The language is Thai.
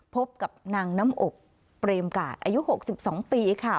พบกับนางน้ำอบเปรมกาศอายุ๖๒ปีค่ะ